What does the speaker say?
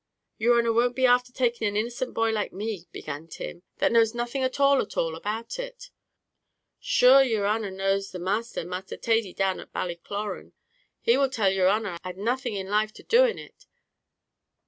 "Yer honer won't be afther taking an innocent boy like me," began Tim, "that knows nothing at all at all about it. Shure yer honer knows the masther, Mr. Thady down at Ballycloran; he will tell yer honer I'd nothing in life to do in it.